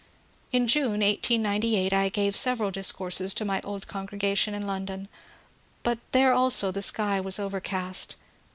In June, 1898, 1 gave several discourses to my old congregation in London, but there also the shy was over cast.